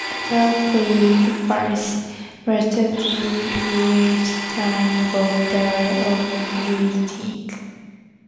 Otter Creek forms most of the eastern border of Whiting.